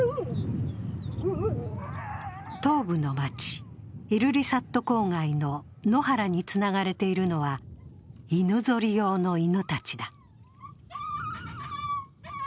東部の街、イルリサット郊外の野原につながれているのは犬ぞり用の犬たちだ。